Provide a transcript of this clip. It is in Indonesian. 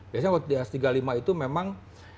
biasanya kalau di s tiga puluh lima itu memang